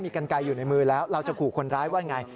กันไกลอยู่ในมือแล้วเราจะขู่คนร้ายว่าอย่างไร